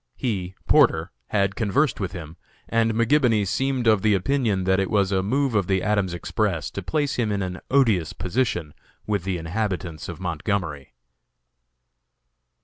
He, (Porter) had conversed with him, and McGibony seemed of the opinion that it was a move of the Adams Express to place him in an odious position with the inhabitants of Montgomery.